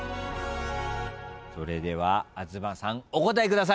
それでは東さんお答えください。